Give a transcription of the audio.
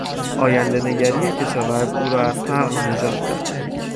آیندهنگری کشاورز او را از فقر نجات داد.